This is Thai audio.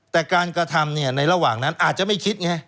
แต่การกระทำในระหว่างนั้นอาจจะไม่คิดไง